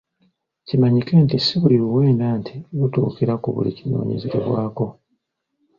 Kimanyike nti si buli luwenda nti lutuukira ku buli kinoonyerezebwako!